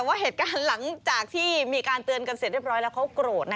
ภารกิจหลังจากที่มีการเตือนกันเสร็จเรียบร้อยค่ะ